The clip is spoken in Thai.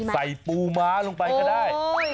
ใส่ปูม้าลงไปก็ได้